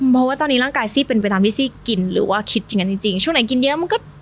เพราะว่าตอนนี้ร่างกายซี่เป็นไปตามที่ซี่กินหรือว่าคิดอย่างนั้นจริงจริงช่วงไหนกินเยอะมันก็